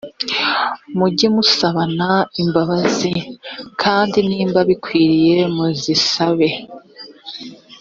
mujye musabana imbabazi kandi niba bikwiriye muzisabe